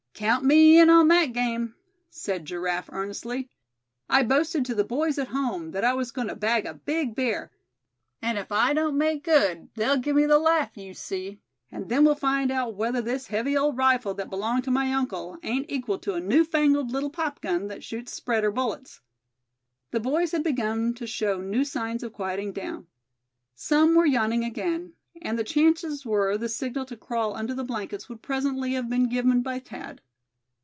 "Count me in on that game," said Giraffe, earnestly. "I boasted to the boys at home that I was goin' to bag a big bear; and if I don't make good they'll give me the laugh, you see. And then we'll find out whether this heavy old rifle that belonged to my uncle, ain't equal to a new fangled little popgun that shoots spreader bullets." The boys had begun to show new signs of quieting down. Some were yawning again, and the chances were the signal to crawl under the blankets would presently have been given by Thad.